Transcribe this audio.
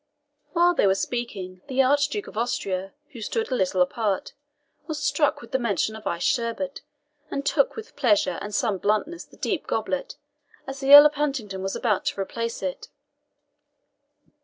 While they were speaking, the Archduke of Austria, who stood a little apart, was struck with the mention of iced sherbet, and took with pleasure and some bluntness the deep goblet, as the Earl of Huntingdon was about to replace it.